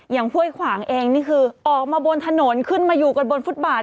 ห้วยขวางเองนี่คือออกมาบนถนนขึ้นมาอยู่กันบนฟุตบาท